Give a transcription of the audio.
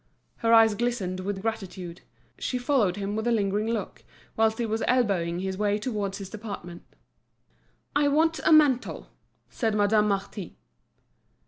Her eyes glistened with gratitude; she followed him with a lingering look, whilst he was elbowing his way towards his department. "I want a mantle," said Madame Marty.